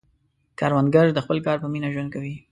کروندګر د خپل کار په مینه ژوند کوي